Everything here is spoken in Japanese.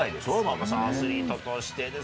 ママさんアスリートとして。